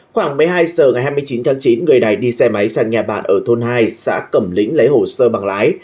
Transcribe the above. khoảng một mươi hai h ngày hai mươi chín tháng chín người này đi xe máy sang nhà bạn ở thôn hai xã cẩm lĩnh lấy hồ sơ bằng lái